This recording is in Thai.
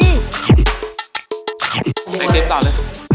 ยังไงเเกรตต่อด้วย